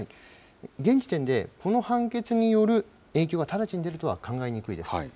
現時点で、この判決による影響が直ちに出るとは考えにくいです。